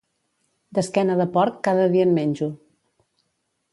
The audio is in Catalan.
D'esquena de porc, cada dia en menjo.